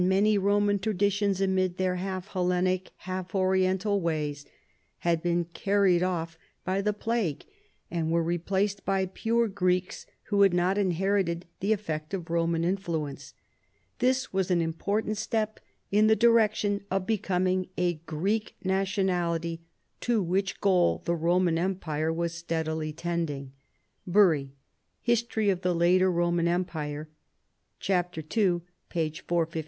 221 many Romaa traditions amid all their half Hellenic, lialf Oriental ways, had been carried off by the plague, and were replaced by pure Greeks who had not inherited the effect of Roman influence. This was an important step in the direction of becoming a Greek nationality, to which goal the Roman em pire was steadily tending " (Bury, History of the Later Roman Einjpire^ ii.